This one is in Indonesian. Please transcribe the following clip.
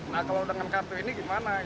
nah kalau dengan kartu ini gimana